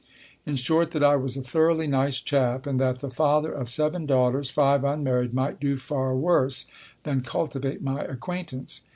In short, that I was a thoroughly nice chap, and that the father of seven daughters (five unmarried) might do far worse than cultivate my acquaintance.